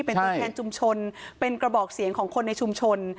เป็นตัวแทนชุมชนเป็นกระบอกเสียงของคนในชุมชน